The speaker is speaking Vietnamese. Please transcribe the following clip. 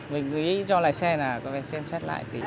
mình nghĩ cho lái xe là phải xem xét lại tìm